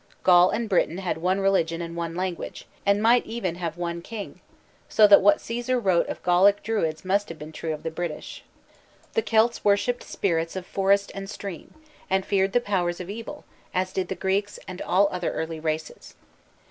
Gaul and Britain had one religion and one language, and might even have one king, so that what Cæsar wrote of Gallic Druids must have been true of British. The Celts worshipped spirits of forest and stream, and feared the powers of evil, as did the Greeks and all other early races.